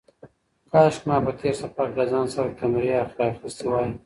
کاشکې ما په تېر سفر کې له ځان سره کمرې راخیستې وای.